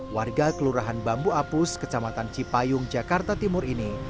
warga kelurahan bambu apus kecamatan cipayung jakarta timur ini